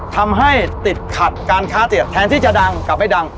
ทำให้ติดขัดการค้าเตียแทนที่จะดังกลับไม่ดัง